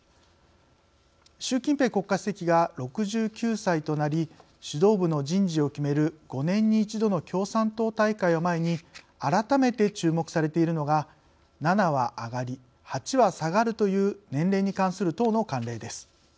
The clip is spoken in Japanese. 習近平国家主席が６９歳となり指導部の人事を決める５年に１度の共産党大会を前に改めて注目されているのが７は上がり８は下がるという年齢に関する党の慣例です。